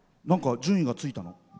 順位がついたの？